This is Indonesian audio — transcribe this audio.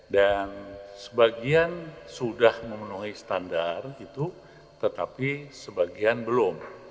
sebagian sudah memenuhi standar tetapi sebagian belum